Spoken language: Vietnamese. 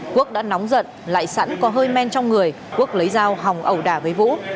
quốc đã nóng giận lại sẵn có hơi men trong người quốc lấy dao hòng ẩu đả với vũ